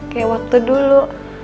kayak waktu dulu